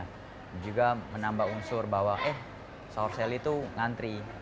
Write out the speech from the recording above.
dan juga menambah unsur bahwa eh saur seli itu ngantri